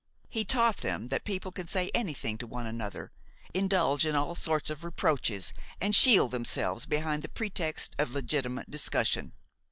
He taught them that people can say anything to one another, indulge in all sorts of reproaches and shield themselves behind the pretext of legitimate discussion.